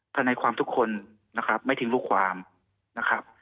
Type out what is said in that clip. ทนายความทุกคนนะครับไม่ทิ้งลูกความนะครับ